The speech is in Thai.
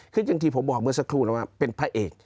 คืออย่างที่ผมบอกเมื่อสักครู่แล้วว่าเป็นพระเอก